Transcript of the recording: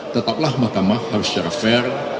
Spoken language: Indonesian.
tetaplah mahkamah harus secara fair